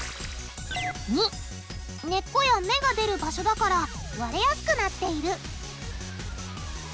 ②根っこや芽が出る場所だから割れやすくなっている。